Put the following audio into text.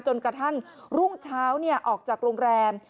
จนกระทั่งรุ่งเช้าออกจากโรงแรม